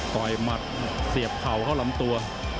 หมัดเสียบเข่าเข้าลำตัว